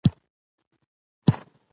چې د متن ښځمن لوست د خلکو له راپارولو